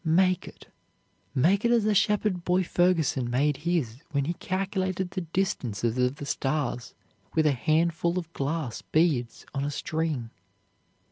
Make it, make it as the shepherd boy Ferguson made his when he calculated the distances of the stars with a handful of glass beads on a string.